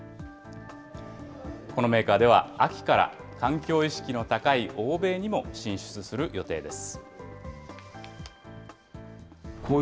このメーカーでは、秋から環境意識の高い欧米にも進出する予定です。